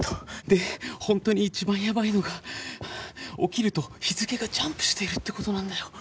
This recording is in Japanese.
でほんとに一番やばいのが起きると日付がジャンプしてるってことなんだよ。